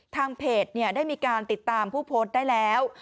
ทางเพจได้มีการติดตามผู้โพสต์ได้แล้ว